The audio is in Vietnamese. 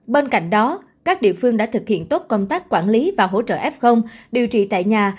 bên cạnh đó các địa phương đã thực hiện tốt công tác quản lý và hỗ trợ f điều trị tại nhà